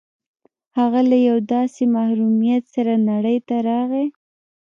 هغه له يوه داسې محروميت سره نړۍ ته راغی.